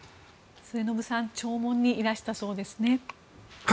末延さん弔問にいらしたそうですね。